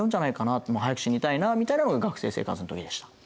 って「早く死にたいな」みたいなのが学生生活の時でした。